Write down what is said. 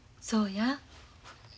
そうや。